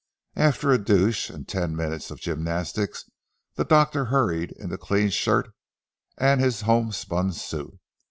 After a douche, and ten minutes' gymnastics, the Doctor hurried into a clean shirt and his homespun suit.